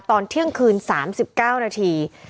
ตอนเที่ยงคืน๓๙นาที